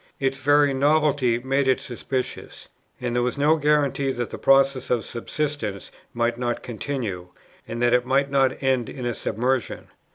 Its very novelty made it suspicious; and there was no guarantee that the process of subsidence might not continue, and that it might not end in a submersion.